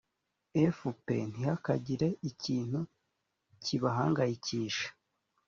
fp ntihakagire ikintu kibahangayikisha